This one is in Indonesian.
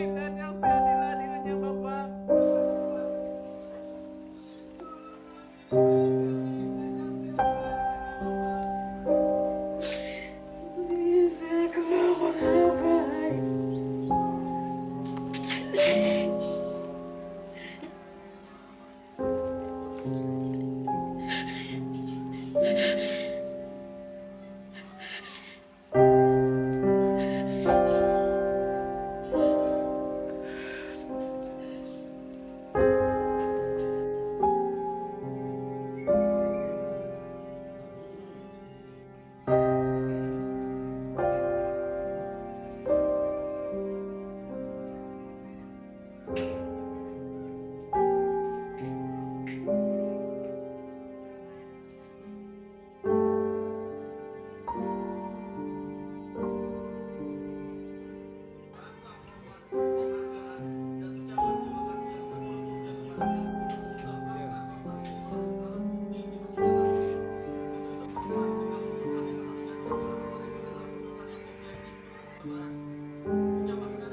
bagi diberikan inan yang seandainya dihanyam bapak